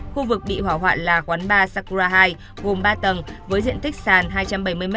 khu vực bị hỏa hoạn là quán bar sacra hai gồm ba tầng với diện tích sàn hai trăm bảy mươi m hai